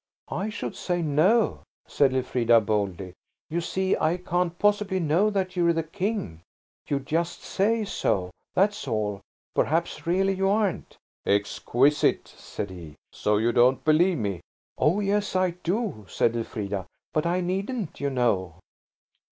"I should say 'no'," said Elfrida boldly. "You see, I can't possibly know that you're the King. You just say so, that's all. Perhaps really you aren't." "Exquisite!" said he. "So you don't believe me?" "Oh, yes, I do!" said Elfrida; "but I needn't, you know."